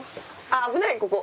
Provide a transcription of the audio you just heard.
危ないここ！